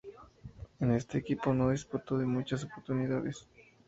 En este equipo no dispuso de muchas oportunidades.